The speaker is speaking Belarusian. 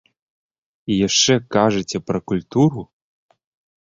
І яшчэ кажаце пра культуру?!